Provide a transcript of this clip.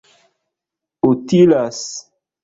utilas